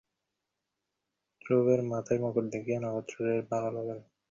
একদল লোক আছে, যাহারা বহিঃপ্রকৃতির বিকাশকেই প্রাধান্য দেয়, আবার অপরদল অন্তঃপ্রকৃতির বিকাশকে।